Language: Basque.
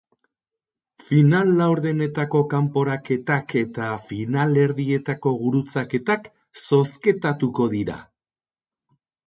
Final-laurdenetako kanporaketak eta finalerdietako gurutzaketak zoketatuko dira.